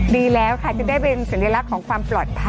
ดีแล้วค่ะจะได้เป็นสัญลักษณ์ของความปลอดภัย